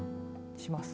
します。